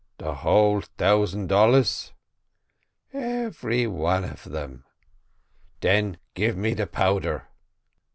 "The whole thousand dollars?" "Every one of them." "Den give me the powder?"